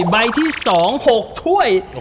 ใบที่๒๖ถ้วย